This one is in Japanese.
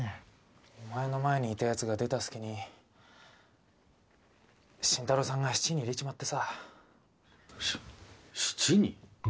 お前の前にいたやつが出た隙に新太郎さんが質に入れちまってさ質に？